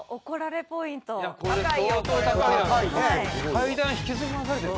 階段引きずり回されてる。